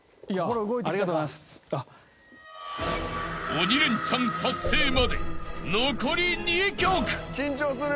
［鬼レンチャン達成まで残り２曲］